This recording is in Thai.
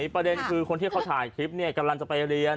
ประเด็นคือคนที่เขาถ่ายคลิปเนี่ยกำลังจะไปเรียน